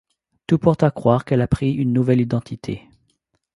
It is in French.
Tout porte à croire qu'elle a pris une nouvelle identité.